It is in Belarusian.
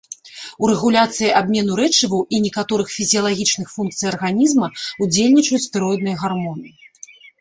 У рэгуляцыі абмену рэчываў і некаторых фізіялагічных функцый арганізма ўдзельнічаюць стэроідныя гармоны.